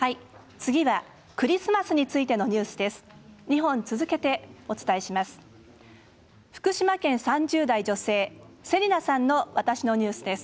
次はクリスマスについてのニュースです。